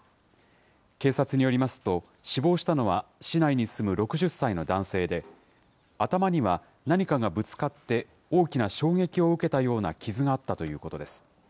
警察によりますと、死亡したのは市内に住む６０歳の男性で、頭には何かがぶつかって大きな衝撃を受けたような傷があったということです。